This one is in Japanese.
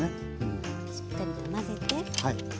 しっかりと混ぜて。